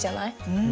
うん。